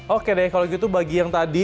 oke deh kalau gitu bagi yang tadi